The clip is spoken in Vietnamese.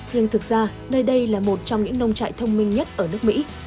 nhưng thực ra nơi đây là một trong những nông trại thông minh nhất ở nước mỹ